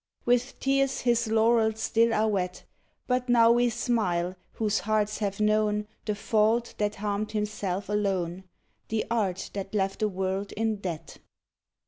With tears his laurels still are wet; But now we smile, whose hearts have known The fault that harmed himself alone, — The art that left a world in debt.